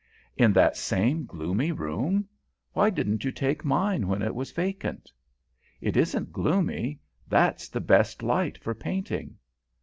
"In that same gloomy room? Why didn't you take mine when it was vacant?" "It isn't gloomy. That's the best light for painting."